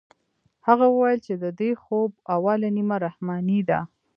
هغه وويل چې د دې خوب اوله نيمه رحماني ده.